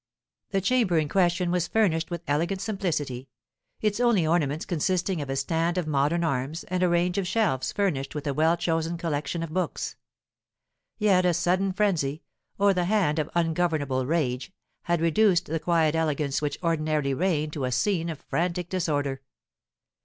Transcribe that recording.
The chamber in question was furnished with elegant simplicity, its only ornaments consisting of a stand of modern arms and a range of shelves furnished with a well chosen collection of books. Yet a sudden frenzy, or the hand of ungovernable rage, had reduced the quiet elegance which ordinarily reigned to a scene of frantic disorder.